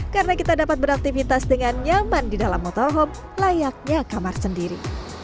karena kita dapat beraktivitas dengan nyaman di dalam motorhome layaknya kamar sendiri